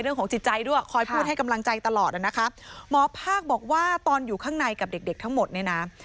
เรื่องของจิตใจด้วยคอยพูดให้กำลังใจตลอดนะคะหมอภาคบอกว่าตอนอยู่ข้างในกับเด็กเด็กทั้งหมดเนี่ยนะ